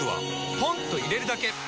ポンと入れるだけ！